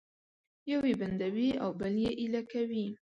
یو یې بندوي او بل یې ایله کوي